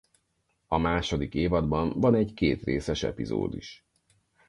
A második évadban van egy kétrészes epizód is.